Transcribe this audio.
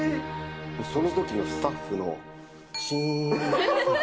そのときのスタッフのちーん。